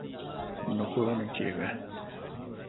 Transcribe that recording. ނުކުޅުނީ ކީއްވެ؟